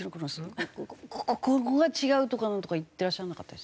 ここが違うとかなんとか言ってらっしゃらなかった？